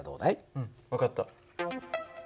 うん分かった。